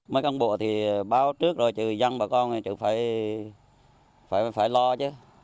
mấy căn bộ thì báo trước rồi chứ dân bà con thì phải lo chứ